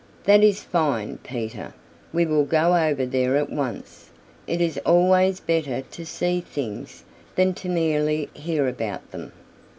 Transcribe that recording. "That is fine, Peter. We will go over there at once. It is always better to see things than to merely hear about them."